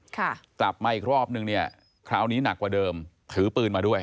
กลับมาอีกรอบนึงเนี่ยคราวนี้หนักกว่าเดิมถือปืนมาด้วย